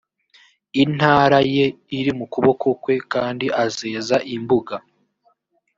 intara ye iri mu kuboko kwe kandi azeza imbuga